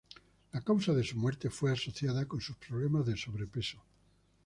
La causa de su muerte fue asociada con sus problemas de sobrepeso.